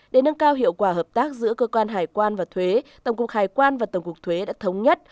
để nâng cao hiệu quả hợp tác giữa cơ quan hải quan và thuế tổng cục hải quan và tổng cục thuế đã thống nhất